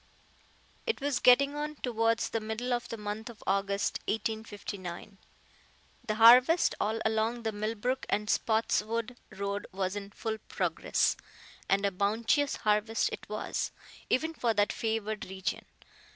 It was getting on towards the middle of the month of August, 1859. The harvest all along the Millbrook and Spotswood road was in full progress. And a bounteous harvest it was, even for that favored region.